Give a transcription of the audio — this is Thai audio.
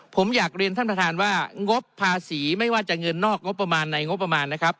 ผมอยากเรียนท่านประธานว่างบภาษีไม่ว่าจะเงินนอกงบประมาณในงบประมาณนะครับ